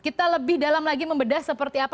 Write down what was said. kita lebih dalam lagi membedah seperti apa